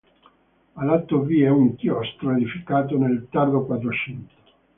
A lato vi è un chiostro edificato nel tardo Quattrocento.